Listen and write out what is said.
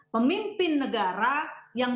pemimpin negara yang